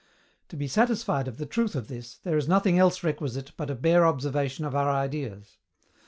To be satisfied of the truth of this, there is nothing else requisite but a bare observation of our ideas.